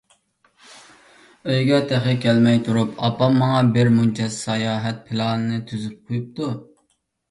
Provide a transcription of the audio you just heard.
ئۆيگە تېخى كەلمەي تۇرۇپ، ئاپام ماڭا بىر مۇنچە ساياھەت پىلانىنى تۈزۈپ قويۇپتۇ.